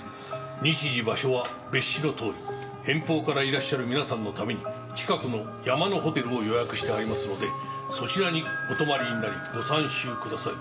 「日時場所は別紙のとおり」「遠方からいらっしゃる皆さんのために近くの『山のホテル』を予約してありますのでそちらにお泊まりになり御参集ください。